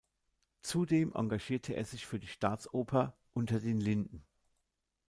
Zudem engagierte er sich für die Staatsoper Unter den Linden.